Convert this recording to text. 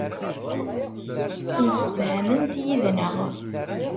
Ttemsefhament yid-neɣ.